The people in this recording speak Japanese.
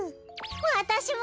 わたしも！